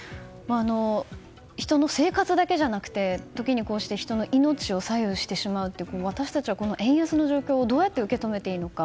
人の生活だけじゃなくて時に、こうして人の命を左右してしまうという私たちはこの円安の状況をどうやって受け止めていいのか。